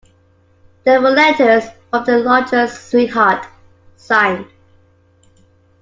They were letters from the lodger's sweetheart, signed.